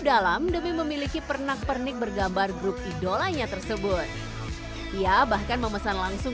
dalam demi memiliki pernak pernik bergambar grup idolanya tersebut ia bahkan memesan langsung